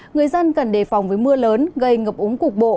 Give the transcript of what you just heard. người dân cần đề phòng với mưa lớn gây ngập úng cục bộ